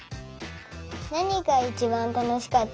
なにがいちばんたのしかったですか？